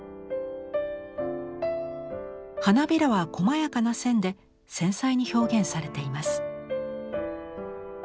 花びらはこまやかな線で繊細に表現されています。